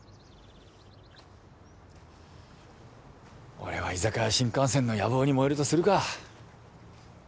俺は居酒屋新幹線の野望に燃えるとするか。